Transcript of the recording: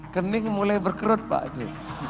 kening mulai berkerut pak itu